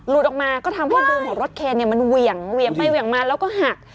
รูดออกมาก็ทางพ่อดูมของรถเคนเนี่ยมันเหวี่ยงไปเหวี่ยงมาแล้วก็หัก